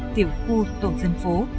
tiểu khu tổ dân phố